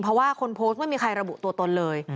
เพราะว่าคนโพสต์ไม่มีใครระบุตัวตนเลย